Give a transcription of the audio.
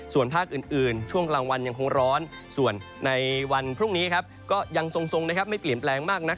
ส่วนภาคอื่นช่วงกลางวันยังคงร้อนส่วนในวันพรุ่งนี้ก็ยังทรงไม่เปลี่ยนแปลงมากนัก